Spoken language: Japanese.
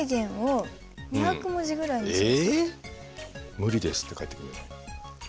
無理ですって返ってくるんじゃない。